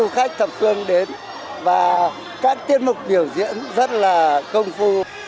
khách thập phương đến và các tiết mục biểu diễn rất là công phu